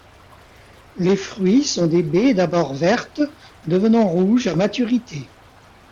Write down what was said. Les fruits sont des baies d'abord vertes, devenant rouges à maturité.